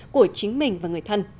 của chính mình và người thân